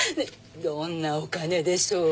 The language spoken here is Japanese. どんなお金でしょう？